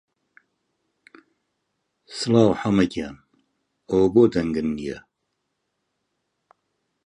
سڵاو حەمە گیان، ئەوە بۆ دەنگت نییە؟